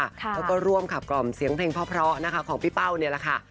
แล้วก็ร่วมขับกล่อมเสียงเพลงเพราะนะคะของพี่เป้าเนี่ยแหละค่ะ